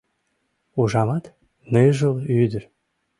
Ужамат, ныжыл ӱдыр.